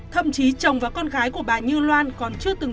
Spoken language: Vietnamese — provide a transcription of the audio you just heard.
thậm chí chồng và con gái của bà như loan còn chưa từng